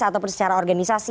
ataupun secara organisasi